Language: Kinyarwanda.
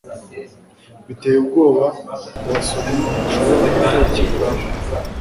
biteye ubwoba kubasomyi bashobora gutekereza